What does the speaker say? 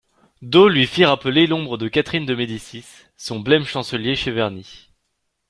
D'O lui fit rappeler l'ombre de Catherine de Médicis, son blême chancelier Cheverny.